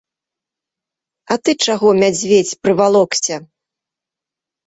А ты чаго, мядзведзь, прывалокся?